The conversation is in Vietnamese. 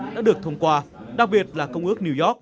đã được thông qua đặc biệt là công ước new york